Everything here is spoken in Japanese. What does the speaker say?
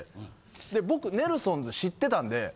で僕ネルソンズ知ってたんで。